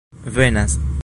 venas